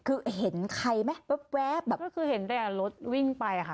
คือเห็นใครไหมแว๊บแบบก็คือเห็นแต่รถวิ่งไปอะค่ะ